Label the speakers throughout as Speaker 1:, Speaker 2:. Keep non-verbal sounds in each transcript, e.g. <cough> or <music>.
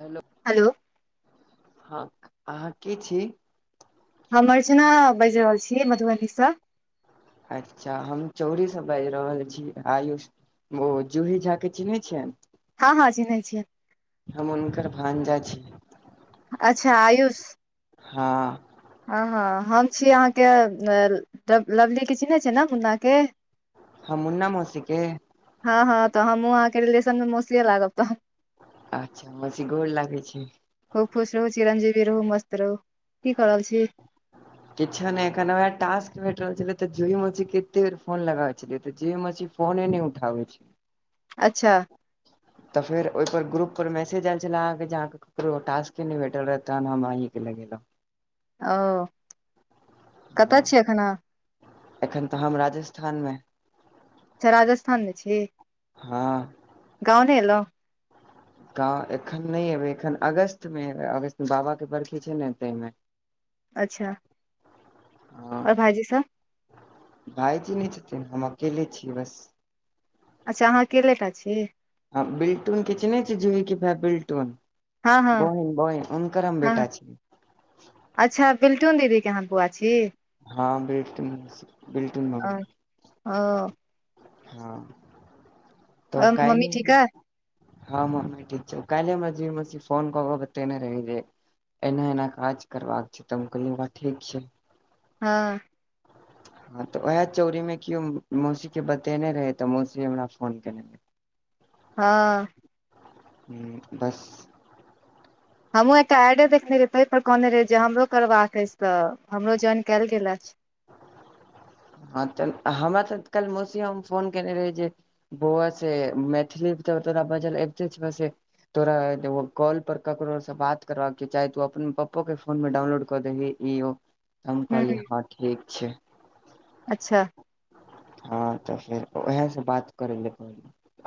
Speaker 1: Hello
Speaker 2: hello
Speaker 1: हँ अहाँ के छी
Speaker 2: हम अर्चना बाजि रहल छी मधुबनीसँ
Speaker 1: अच्छा हम चौरीसँ बाजि रहल छी आयुष ओ जूहि झा के चिन्है छियैन।
Speaker 2: हाँ हाँ चिन्है छियैन
Speaker 1: हम हुनकर भांजा छी
Speaker 2: अच्छा आयुष
Speaker 1: हाँ
Speaker 2: हँ हँ हम छी अहाँके तब लवलीके चिन्हैत छियै ने मुन्नाके
Speaker 1: हाँ मुन्ना मौसी के
Speaker 2: हँ हँ तऽ हमहूँ अहाँके रिलेशनमे मौसीये लागब तह
Speaker 1: अच्छा मौसी गोर लागै छी।
Speaker 2: खूब खुश रहू चिरंजीवी रहू मस्त रहू। की कऽ रहल छी
Speaker 1: किछो नहि एखन वैह टास्क भेटल छलै तऽ जुही मौसी के एते बेर फोन लगाबे छेलियै तऽ जुही मौसी फोने नै उठाबै छै
Speaker 2: अच्छा
Speaker 1: तऽ फेर ओहि पर ग्रुप पर मैसेज आइल छले अहाँके जान तो टास्के नहि वेटल रहै तहन हम अहीं के लगेलौं
Speaker 2: अओ कतऽ
Speaker 1: हँ
Speaker 2: छियै एखन अहाँ
Speaker 1: एखन तऽ हम राजस्थान मे
Speaker 2: अच्छा राजस्थान मे छी
Speaker 1: हँ
Speaker 2: गाँव नहि एलौं
Speaker 1: गाँव एखन नहि एबै एखन अगस्त मे एबै अगस्त मे बाबा के बर्खी छै ने तैमे
Speaker 2: अच्छा और भाइजी सब
Speaker 1: भाइजी नै छथिन, हम अकेले छी बस
Speaker 2: अच्छा अहाँ अकेले टा छी
Speaker 1: हँ बिल्टुन के चिन्है छी, जुही के भाय बिल्टुन
Speaker 2: हँ हँ
Speaker 1: बोहिन बोहिन उनकर हम
Speaker 2: हँ हँ।
Speaker 1: बेटा छी।
Speaker 2: अच्छा बिल्टुन दीदीे के अहाँ बौआ छी
Speaker 1: हँ बिल्टुन मौसी बिल्टुन
Speaker 2: ओ
Speaker 1: मम्मीे
Speaker 2: ओ आओर
Speaker 1: हाँ, तऽ ओ
Speaker 2: मम्मी
Speaker 1: काइनो
Speaker 2: ठीक अइ
Speaker 1: <unintelligible> हाँ मम्मी ठीक छियौ, काल्हिये मझली मौसी फोन कऽ के बतेने रहै जे एना एना काज करबाक छै तऽ हम कहलियै बाबा ठीक छै
Speaker 2: हाँ
Speaker 1: हाँ तऽ वैह चौरी मे केयो मौसी के बतेने रहै तऽ मौसी हमरा फोन केने रहै <inaudible>
Speaker 2: हँ
Speaker 1: हूंम्म बस
Speaker 2: हमहुँ एकटा आइडी देखेने रहियै ताहिपर कहने रहै जे हमरो करबाक अछि तऽ हमरो ज्वाइन कयल गेल अछि
Speaker 1: हाँ तऽ हमरा तऽ काल्हि मौसी हम फोन केने रही जे बौआ से मैथिली त तोरा बजल अबिते छह से तोरा ए कॉल पर ककरो स बात करबाक छै चाहे तों अपन पपो के फोन मे डाउनलोड क दही इ ओ हम
Speaker 2: हूँ हूँ
Speaker 1: कहलियै हां ठीक छै
Speaker 2: अच्छा
Speaker 1: हां त फेर उएह से बात करै ला कहल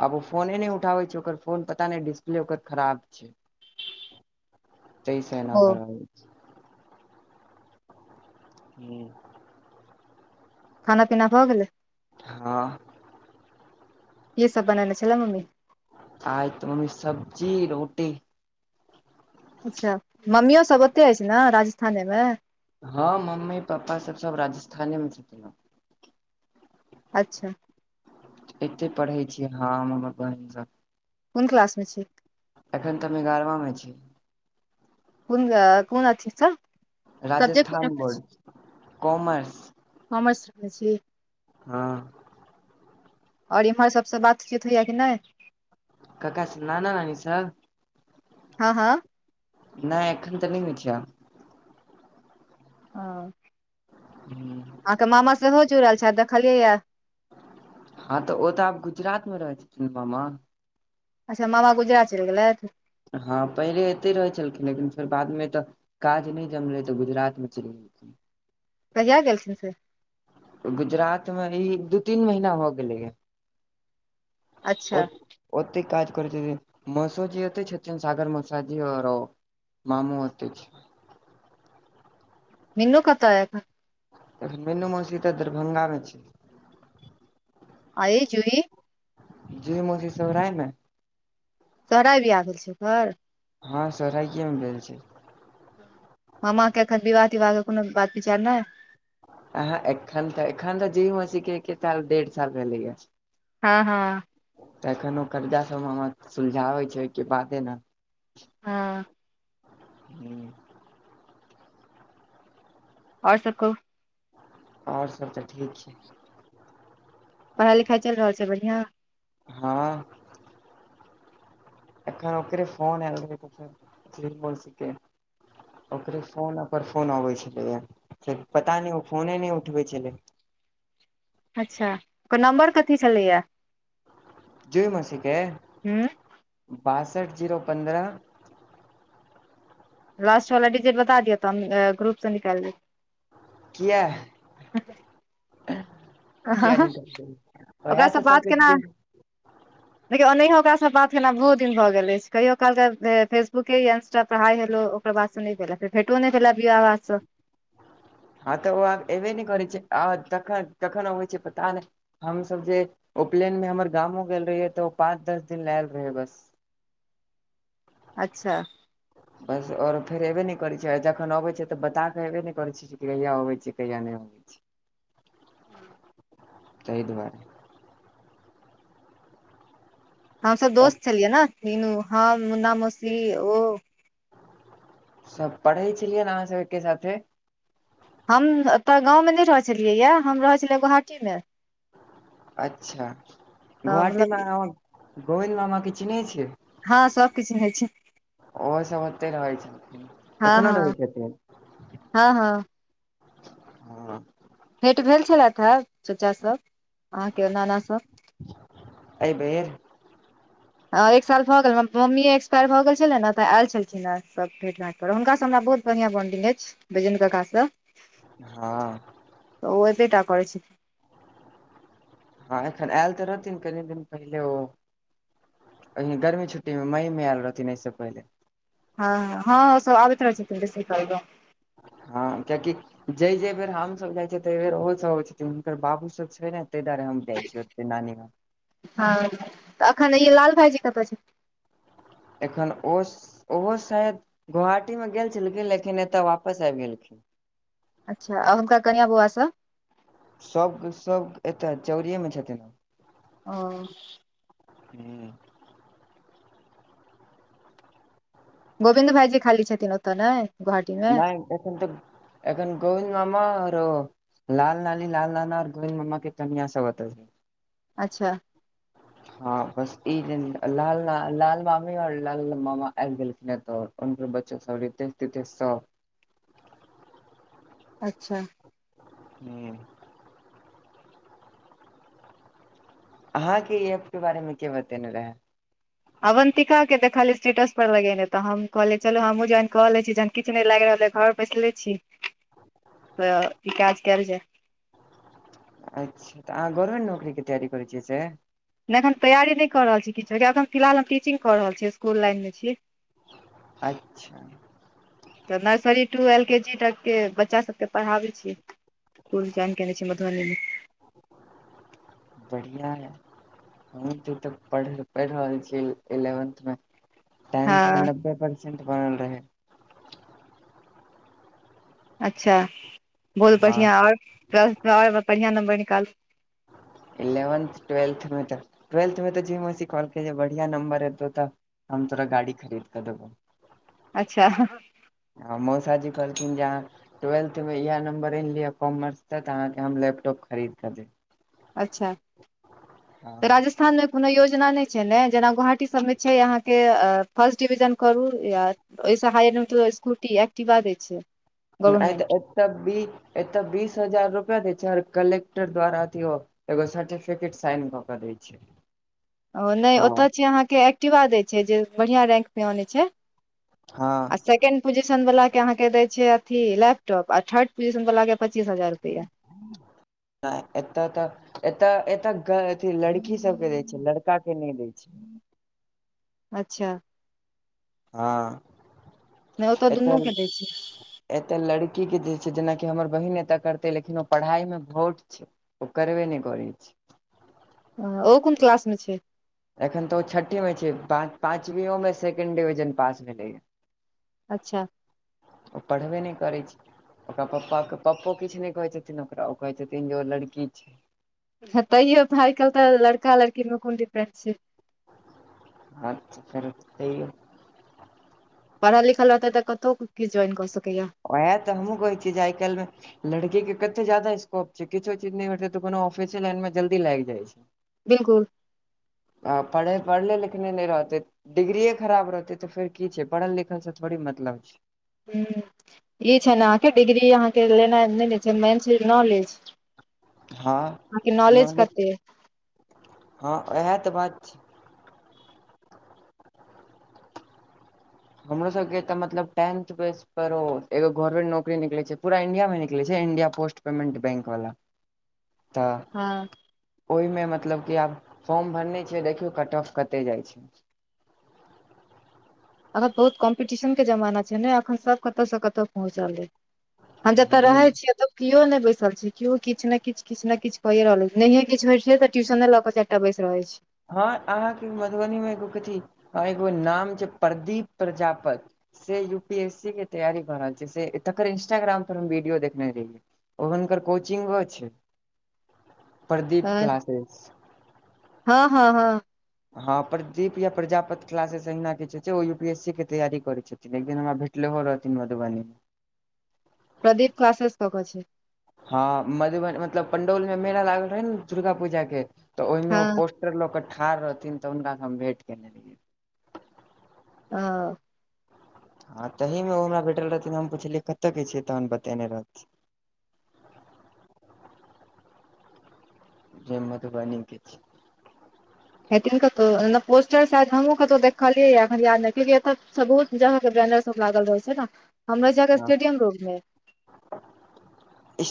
Speaker 1: आब ओ फोने नै उठाबै छै ओकर फोन पता नै डिस्प्ले ओकर खराब छै। तै से एना
Speaker 2: ओ
Speaker 1: भ रहलै हुं
Speaker 2: खाना पीना भ गेलै
Speaker 1: हां
Speaker 2: की सब बनैने छलै मम्मी
Speaker 1: आइ त मम्मी सब्जी रोटी
Speaker 2: अच्छा, मम्मियो सब ओतहि अछि न राजस्थाने मे
Speaker 1: हां मम्मी पापा सब सब राजस्थाने मे छथिन न
Speaker 2: अच्छा
Speaker 1: एतै पढ़य छियै हम हमर बहिन स
Speaker 2: कोन क्लास मे छी
Speaker 1: एखन त हम एगारमा मे छी
Speaker 2: कोन ज कोन अथि स
Speaker 1: राजस्थान बोर्ड से कोमर्स
Speaker 2: कोमर्स रखने छी
Speaker 1: हां
Speaker 2: और ईमहर सबस बातचीत होइया कि नै
Speaker 1: ककरा स नाना नानी स
Speaker 2: हां हां
Speaker 1: नै एखन त नै होइ छै आ
Speaker 2: ओ
Speaker 1: हुं
Speaker 2: अहां के मामा सेहो जुड़ल छैथ देखलियैया
Speaker 1: हां त ओ त आब गुजरात मे रहै छथिन मामा
Speaker 2: अच्छा मामा गुजरात चलि गेलथि
Speaker 1: हँ पहिले एतेय रहै छलखिन लेकिन फेर बादमे एतऽ काज नय जमलै तऽ गुजरात मे चैल गेल खिन
Speaker 2: कहिया गेलखिन से
Speaker 1: गुजरात मे इ दू तीन महीना भ गेलै अय
Speaker 2: अच्छा
Speaker 1: ओतैय काज करै छथिन मौसोजी ओतैय छथिन सागर मौसाजी और ओ मामू ओतय छै
Speaker 2: मीनू कतऽ अय एखन
Speaker 1: मीनू मौसी तऽ दरभंगा मे छै
Speaker 2: आई जुही
Speaker 1: जुई मौसी सब राय मे
Speaker 2: सोहराब बियाह भेल छै ओकर
Speaker 1: हँ सोहराइए मे भेल छै
Speaker 2: मामा के एखन विवाह - तिवाह के कोनो बात विचार नय
Speaker 1: आहाँ एखन त एखन त जुई मौसीके एक्के साल डेढ़ साल भेलैय या
Speaker 2: हँ हँ
Speaker 1: तेखन ओ कर्जा सब मामा सुलझाबै छै ओयके बादे न
Speaker 2: हँ
Speaker 1: हू
Speaker 2: और सब कहु
Speaker 1: और सब तऽ ठीक यै
Speaker 2: पढ़ाइ - लिखाइ चैल रहल छै बढ़ियाॅं
Speaker 1: हँ एखन ओकरे फोन एयल रहै <unintelligible> ओकरे फोनऽ पर फोन अबै छलैया से पता नय ओ फोने नै उठबै छलै
Speaker 2: अच्छा ओकर नंबर कथी छलैया
Speaker 1: जुई मौसीकें
Speaker 2: हूँ
Speaker 1: बासठ जीरो पन्द्रह
Speaker 2: लास्ट वाला डिजीट बता दियाऽ तऽ अ ग्रुप स निकायल देब
Speaker 1: किया किया
Speaker 2: लेब
Speaker 1: निकल ओहे तऽ सब दि <unintelligible>
Speaker 2: देखियो ओनाहियो ओकारासँ बात केला बहुत दिन भऽ गेले अइछ कहियो कालके फेसबुके या इंस्टा पर हाइ हेलो भेटो नै दलैथ <unintelligible>
Speaker 1: हँ तऽ ओ आब ऐबे नय करै छै आ तखन - तखन होइ छै पता नै हमसभ जे उपलेन मे हम्मर गामो गेल रहियै तऽ उ पाँच दस दिन लय आयल रहेै बस
Speaker 2: अच्छा
Speaker 1: बस और फेर एबे नै करै छय आ जखन अबे छै तऽ बता के एबे नै करय छै कहिया अबै छि कहिया नै अबै छि
Speaker 2: <inaudible>
Speaker 1: तय दुवारे
Speaker 2: हमसब
Speaker 1: तब
Speaker 2: दोस्त छलियै न मीनु हम मुन्ना मौसी ओ
Speaker 1: सभ पढ़ै छलियै न अहाँ सब एक्के साथे
Speaker 2: हम ओतऽ गाँवमे नै रहै छलियै याऽ हम रहै छलियै गोवहाटी मे
Speaker 1: अच्छा
Speaker 2: तऽ
Speaker 1: गोहाटी
Speaker 2: मतलब
Speaker 1: मे अहाॅं हम्म गोविंद मामा के चिन्है छियै
Speaker 2: हँ सबकिछु होइ छै
Speaker 1: ओहो सब ओतै रहै छलखिन
Speaker 2: हँ
Speaker 1: एखनो
Speaker 2: हँ
Speaker 1: रहै छथिन
Speaker 2: हँ हँ
Speaker 1: हँ
Speaker 2: भेंट भेल छलैथ हे चचासभ अहाँके नानासभ
Speaker 1: अइ बेर
Speaker 2: हँ एक साल भऽ गेल मम्मी एक्सपायर भऽ गेल छलै न तऽ आयल छलखिन सभ भेट घांट पर हुनकासँ हमरा बहुत बढ़िआँ बॉन्डिंग अछि <unintelligible> काकासँ
Speaker 1: हँ
Speaker 2: तऽ ओ एबे टा करे छथिन
Speaker 1: हँ एखन आयल तऽ रहथिन कनि दिन पहिले ओ <unintelligible> गर्मी छुट्टी मे मई मे आयल रहथिन अहि सँ पहिले
Speaker 2: हँ हँ हँ ओ सब आबैत रहै छथिन बेसी काल गांव
Speaker 1: हँ किये की जै जै बेर हम सब जाइ छियै तहि बेर ओहो सब अबै छथिन हुनकर बाबू सब छै ने तहि दुआरे हम जाइ छियै ओतै नानी गांम।
Speaker 2: हँ तऽ अखन ई लाल भाइजी कतय छै
Speaker 1: एखन ओ ओहो शायद गोहाटी मे गेल छलखिन लेकिन एतऽ वापस आबि गेलखिन
Speaker 2: अच्छा आ हुनका कनिया बौआ सब
Speaker 1: सब के सब एतऽ चौरीेये मे छथिन
Speaker 2: ह
Speaker 1: हू
Speaker 2: गोविन्द भाइजी खाली छथिन ओतऽ नै
Speaker 1: नहि एखन तऽ एखन गोविन्द मामा औरो लाल नानी लाल नाना आर गोविन्द मामा के कनिया सब एतै
Speaker 2: अच्छऽ
Speaker 1: हँ बस एक दिन ल लाल-लाल मामी आओर लाल मामा आबि गेलखिन एतऽ उनकर बच्चो सब रितेश तितेश सब
Speaker 2: अच्छाऽ
Speaker 1: हॅं अहाँंके ई ऐप के बारे में के बतेने रहय
Speaker 2: अवन्तिका के देखलियै स्टेटस पर लगेने तऽ हम कहलिय चलू हमहूँ ज्वाइन कऽ लै छी किछु नहि लागि रहल अइ घर बैसले छी तऽ ई काज कय लै छी।
Speaker 1: अच्छऽ तऽ अहाँ गवर्मेन्ट नोकरीक तैयार करै छियै से
Speaker 2: नहि एखन तैयारी नहिऽ रहल छी किछ जे अखन फिलहाल हम टिचिंग कऽ रहल छी इसकुल लाइनमे छियै
Speaker 1: अच्छऽ
Speaker 2: तऽ nursery to L K G तक के बच्चा सबके पढ़ाबै छियै ओ रिजाइन केने छै मधुबनी मे
Speaker 1: बढ़िया ये हम त एतय पढ़ पढ़ि रहल छी इलेवेंथ मे टेंथ मे
Speaker 2: हँ
Speaker 1: नब्बे परसेंट बनल रहै
Speaker 2: अच्छा बहुत
Speaker 1: हँ
Speaker 2: बढ़िआँ आओर ट्वेल्थमे आओर बढ़िआँ नम्बर निकालू
Speaker 1: इलेवन्थ ट्वेल्थमे त ट्वेल्थ मे त जी मौसी कहलखिन जे बढ़िया नम्बर एतौ तऽ हम तोरा गाड़ी खरीद क देबौ
Speaker 2: अच्छऽ
Speaker 1: ह मौसा जी कहलखिन जे अहाँ ट्वेल्थ मे इहे नम्बर आनि लिय कॉमर्स स तऽ अहाँके हम लैपटॉप खरीद क देब
Speaker 2: अच्छऽ -तोराज छ स्थानमे कोनो योजना नहि छलै जेना गुवहाटी सभमे छै अहाँके फस्ट डिवीजन करू या ओहिसँ हायमे त स्कूटी एक्टिबा दै छै
Speaker 1: आइ त
Speaker 2: गवर्मेंट
Speaker 1: एतऽ बी एतऽ बीस हजार रूपया दै छै और कलेक्टर द्वारा अथियो अबै एगो सर्टिफिकेट साइन कऽ केऽ दै छै
Speaker 2: ओ नहि
Speaker 1: तऽ
Speaker 2: ओतय छै अहाँके एक्टिवा दै छै जे बढ़िआँ रैंक मे अनै छै
Speaker 1: हँ
Speaker 2: सकेण्ड पोजिशन वला के अहाँ के दय छै अथी लैपटॉप आ थर्ड पोजिशन वला के पच्चीस हजार रुपैआ
Speaker 1: आ एतऽ तऽ एतऽ एतऽ क अथी लड़की सबके दै छै लड़का के नहि दै छै
Speaker 2: अच्छा
Speaker 1: हँ
Speaker 2: नहि ओतऽ दुन्नू के दै छै
Speaker 1: एतय लड़की के दै छै जेनाकि हमर बहिन एतऽ करतै लेकिन ओ पढ़ाई मे भोथ छै ओ करबे नहि करै छै
Speaker 2: ह ओ कोन क्लास मे छै
Speaker 1: एखन तऽ ओ छठ्ठिमे छै पाँचवीओमे सेकेंड डिविजन पास भेलैए
Speaker 2: अच्छा
Speaker 1: ओ पढ़बे नहि करैत छै ओकरा पपा पप्पो किछु नहि कहे छथिन ओकरा ओ कहे छथिन जे ओ लड़की
Speaker 2: तैयो भाय काल्हि तऽ लड़का लड़कीमे कोन दिक्कत छै
Speaker 1: अ तऽ करर त <inaudible>
Speaker 2: पढ़ल लिखल रहतै तऽ कतहु किछु जॉइन कऽ सकैया
Speaker 1: ओहा तऽ हमूँ कहै छियै जे आइ काल्हिमे लड़की के कते जादा स्कोप छै किछो चीज नहि हतै तऽ कोनो ऑफिसे लाइन मे जल्दी लाग जाइ छै
Speaker 2: बिल्कुल
Speaker 1: पढ़े पढ़ ले लिखले नहि रहते डिग्रीए खराब रहतै तऽ फेर की छै पढ़ल लिखलसँ थोड़ी मतलब छै
Speaker 2: ह ई छै ने अहाँकेँ डिग्री यहा के लेना नहि ले छै मेन चीज नॉलेज
Speaker 1: हँ
Speaker 2: बाकी नॉलेज कते छै
Speaker 1: हँ उएह तऽ बात छै हमरो सबके तऽ मतलब टेंथ बेस पर ओ एगो गवर्नमेंट नौकरी निकलैत छै पूरा इंडिया मे निकलैत छै इंडिया पोस्ट पेमेन्ट बैंक वाला तऽ
Speaker 2: हँ
Speaker 1: ओहिमे मतलब क आब फॉर्म भरने छीये देखियौ कट ऑफ कते जाइ छै
Speaker 2: अखन बहुत कम्पीटिशन के जमाना छै ने एखन सब कतय से कतहु पहुँचलै जतऽ
Speaker 1: हूँ
Speaker 2: रहै छियै केओ नहि बैसल छै केओ किछ न ने किछ किछु ने किछ कहिए रहल छै नहिे किछ होै छै त ट्यूशने लऽ बैस रहै छै
Speaker 1: हँ अहाँके मधुबनी मे एगो कथी एगो नाम छै प्रदीप प्रजापति से यू पी एस सी के तयी कर रहल छै से तकर इंस्टाग्राम पर हम वीडियो देखने रहियै ओ हुनकर कोचिंगो छै प्रदीप
Speaker 2: हँ
Speaker 1: क्लासेस
Speaker 2: हँ हँ हँ
Speaker 1: हँ प्रदीप या प्रजापति क्लास एहिना किछु छै ओ यू पी एस सी के तैयारी करे छै तन एक दिन हमरा भेटलो हो रहथिन मधुबनी
Speaker 2: प्रदीप क्लासेस कक छै
Speaker 1: हँ मधुबनी मतलब पंडौल में मेला लागल रहे ने दुर्गा पूजा के तऽ
Speaker 2: हँ
Speaker 1: ओहमे पोट स्टर ल के ठाढ़ रहथिन तऽ हुनका से हम भेंट केने रहियै
Speaker 2: ह
Speaker 1: हँ तही मे ओ हमरा भेठल रहथिन हम पुछलियै कतय के छियै तहन बतेने रहथि जे मधुबनी के छिये
Speaker 2: हेथिन कतहु पोस्टर श हमहु कतहुँ देखलियैख याद क्यकि एतहुत जहा के बैनर सब लागल रहे छै ने हमरो जगह के
Speaker 1: हँ
Speaker 2: स्टेडियम रोड मे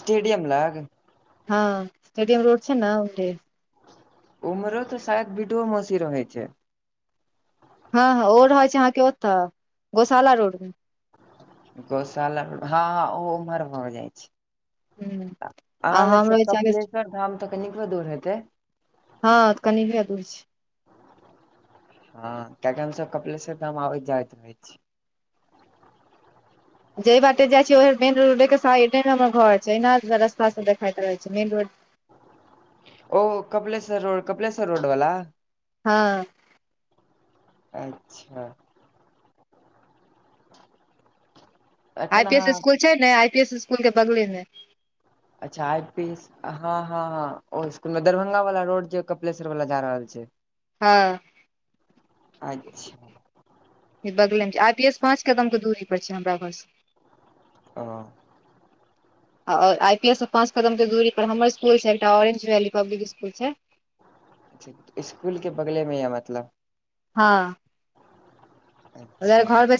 Speaker 1: स्टेडियम लाग
Speaker 2: हँ स्टेडियम रोड छै ने
Speaker 1: उमरो तऽ शायद बिडुओ मसी रहैत
Speaker 2: हँ ह ओ रहैत छै अहाँके ओत्तऽ गोशाला रोड मे
Speaker 1: गोशाला हँ ओह उमहर भऽ जाइ छै
Speaker 2: ह आ
Speaker 1: अहाँ लग
Speaker 2: हम
Speaker 1: से
Speaker 2: रहै छी अहाँके
Speaker 1: कपिलेश्वर धाम तऽ कनिको दूर हेतै
Speaker 2: हँ त कनिके दूर छै
Speaker 1: हँ किया की हम सब कपिलेश्वर धाम आबैत जाइत रहै छी
Speaker 2: जेहि बाते जाइ छी‌ओही मेन रोड साइडे हमर घर छै एना रास्ता सब देखैत रहै छै मेन रोड
Speaker 1: ओ कपलेश्वर रो कपिलेश्वर रोड वला
Speaker 2: हँ
Speaker 1: अच्छा
Speaker 2: आई
Speaker 1: एखन
Speaker 2: पी एस
Speaker 1: अहाँ
Speaker 2: स्कूल छै ने आई पी एस स्कूल के बगले मे
Speaker 1: अच्छा आइ पीस हँ हँ हँ ओ इसकूल मे दरभंगा वाला रोड जे कपिलेश्वर वाला जा रहल छै
Speaker 2: हँ
Speaker 1: <inaudible> अच्छा
Speaker 2: ई बगले मे छै आई पी एस पाँच कदम के दूरी पर छै हमरा घर सँ
Speaker 1: ह
Speaker 2: आओर आइ पी एस सँ पाँच कदम के दूरी पर हमर स्कूल छै एकटा ओरेंज वेली पब्लिक स्कूल छै
Speaker 1: स्कूल के बगले मे यऽ मतलब
Speaker 2: हँ उधर
Speaker 1: अच्छा
Speaker 2: घर भेज